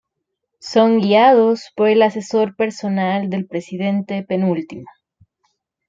Son guiados por el asesor personal de El Presidente, Penúltimo.